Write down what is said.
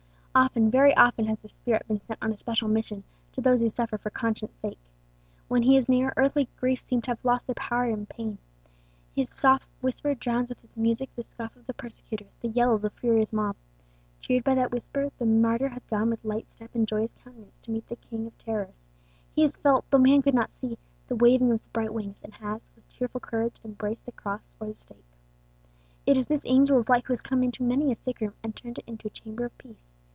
Often, very often, has this spirit been sent on a special mission to those who suffer for conscience' sake. When he is near, earthly griefs seem to have lost their power to pain; his soft whisper drowns with its music the scoff of the persecutor, the yell of the furious mob. Cheered by that whisper, the martyr has gone with light step and joyous countenance to meet the king of terrors. He has felt, though man could not see, the waving of the bright wings, and has, with cheerful courage, embraced the cross or the stake. It is this angel of light who has come into many a sick room, and turned it into a chamber of peace.